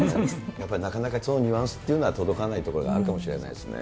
やっぱりなかなかそのニュアンスっていうのは届かないところがあるかもしれないですね。